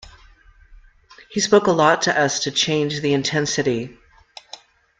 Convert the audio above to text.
He spoke a lot to us to change the intensity.